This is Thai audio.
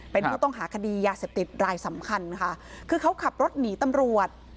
เป็นผู้ต้องหาคดียาเสพติดรายสำคัญค่ะคือเขาขับรถหนีตำรวจ